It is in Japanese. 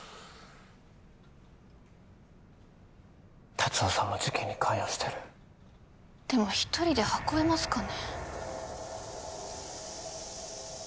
達雄さんも事件に関与してるでも一人で運べますかね？